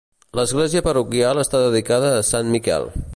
L'església parroquial està dedicada a Sant Miquel.